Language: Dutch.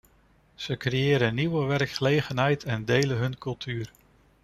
Ze creëren nieuwe werkgelegenheid en delen hun cultuur.